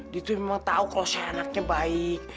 ditrui memang tahu kalau saya anaknya baik